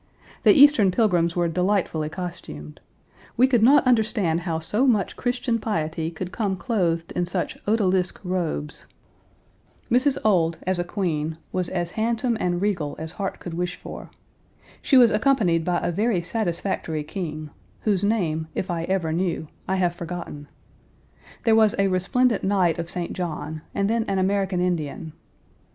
The Eastern pilgrims were delightfully costumed; we could not understand how so much Christian piety could come clothed in such odalisque robes. Mrs. Page 274 Ould, as a queen, was as handsome and regal as heart could wish for. She was accompanied by a very satisfactory king, whose name, if I ever knew, I have forgotten. There was a resplendent knight of St. John, and then an American Indian.